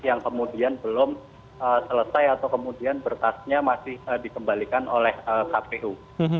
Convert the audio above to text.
yang kemudian belum selesai atau kemudian berkasnya masih dikembalikan oleh kpu